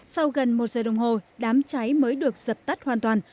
sau gần một giờ đồng hồ đám cháy mới được dập tắt hoàn toàn